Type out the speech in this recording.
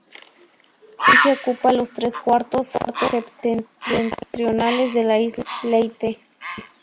La provincia ocupa los tres cuartos septentrionales de la Isla de Leyte.